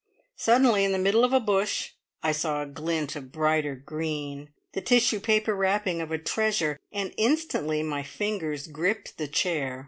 Suddenly, in the middle of a bush, I saw a glint of brighter green, the tissue paper wrapping of a treasure, and instantly my fingers gripped the chair.